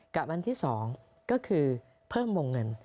กับวันที่๒ก็คือเพิ่มวงเงิน